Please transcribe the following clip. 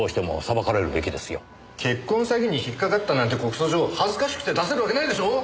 結婚詐欺に引っかかったなんて告訴状恥ずかしくて出せるわけないでしょう！